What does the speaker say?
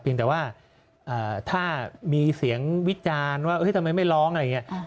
แต่ว่าถ้ามีเสียงวิจารณ์ว่าทำไมไม่ร้องอะไรอย่างนี้